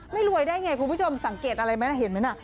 รวยได้ไงคุณผู้ชมสังเกตอะไรไหมนะเห็นไหมน่ะ